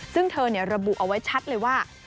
ซึ่งเธอระบุเอาไว้ชัดเลยว่า